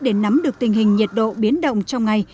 để nắm được tình hình nhiệt độ biến động trong ngày